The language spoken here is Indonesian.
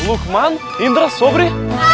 lukman indra sobri